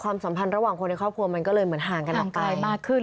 ความสัมพันธ์ระหว่างคนในครอบครัวมันก็เลยเหมือนห่างกันมากไป